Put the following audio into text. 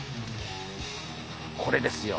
これですよ！